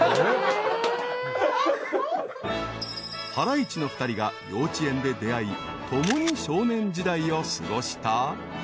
［ハライチの２人が幼稚園で出会い共に少年時代を過ごした］